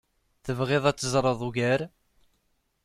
Tebɣiḍ ad teẓreḍ ugar?